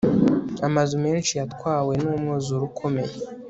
amazu menshi yatwawe numwuzure ukomeye